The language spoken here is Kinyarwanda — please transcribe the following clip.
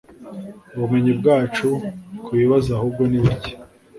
Ubumenyi bwacu kubibazo ahubwo ni buke.